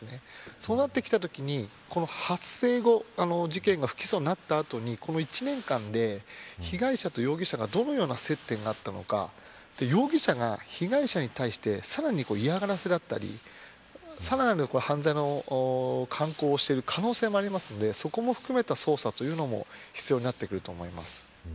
そうなってきたときに発生後事件が不起訴とになった後にこの１年間で被害者と容疑者にどのような接点があったのか容疑者が被害者に対してさらに嫌がらせだったりさらなる犯罪の慣行している可能性もあるのでそこも含めた捜査というのも必要になってくると思います。